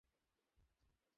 ওকে ডেকে আনো।